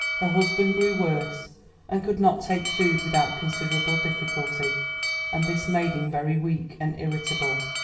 Her husband grew worse and could not take food without considerable difficulty, and this made him very weak and irritable.